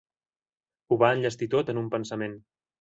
Ho va enllestir tot en un pensament.